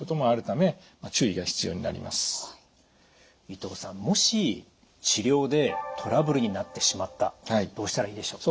伊藤さんもし治療でトラブルになってしまったどうしたらいいでしょう？